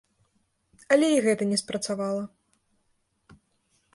Але і гэта не спрацавала.